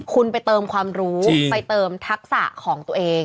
คุณไปเติมความรู้ไปเติมทักษะของตัวเอง